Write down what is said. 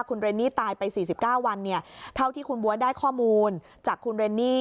คุณเรนนี่ตายไป๔๙วันเนี่ยเท่าที่คุณบ๊วยได้ข้อมูลจากคุณเรนนี่